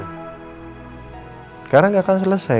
sekarang gak akan selesai